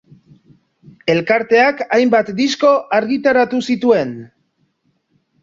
Elkarteak hainbat disko argitaratu zituen.